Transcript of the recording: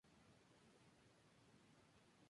Sería entonces cuando se unió Pitti al grupo.